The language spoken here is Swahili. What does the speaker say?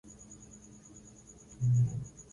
Vinundu kwenye mdomo macho na pua